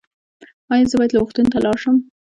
ایا زه باید روغتون ته لاړ شم؟